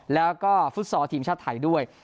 แล้วก็ฟุตซอลทีมชาติไทยด้วย